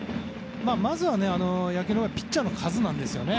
まずは野球の場合ピッチャーの数なんですよね。